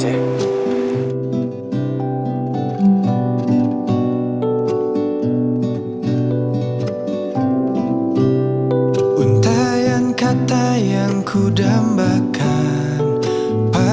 habis dayaku untuk mengingatmu